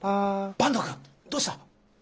坂東くん！どうした？